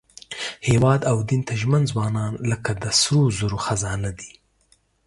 هېواد او دین ته ژمن ځوانان لکه د سرو زرو خزانه دي.